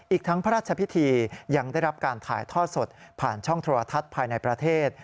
อีกทั้งพระราชพิธียังได้รับการถ่ายทอดสดผ่านช่องโทรทัศน์ภายในประเทศ